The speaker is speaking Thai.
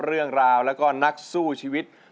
เรื่องราวแล้วก็นักสู้ชีวิต